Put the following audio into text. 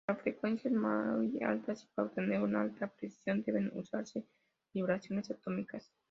Para frecuencias muy altas y para obtener una alta precisión, deben usarse vibraciones atómicas.